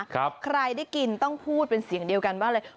ใครได้กินต้องพูดเป็นเสียงเดียวกันว่าเลย